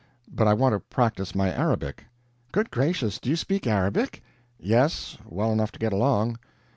"But I want to practice my Arabic." "Good gracious, do you speak Arabic?" "Yes well enough to get along."